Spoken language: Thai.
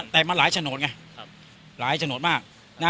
แต่มันหลายโฉนดไงหลายโฉนดมาก